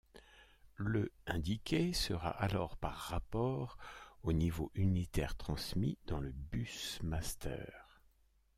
Le indiqué sera alors par rapport au niveau unitaire transmis dans le bus master.